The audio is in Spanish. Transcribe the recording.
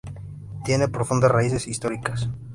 Tiene profundas raíces históricas.